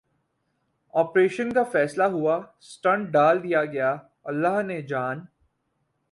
operation کا فیصلہ ہوا سٹنٹ ڈال دیا گیا اللہ نے جان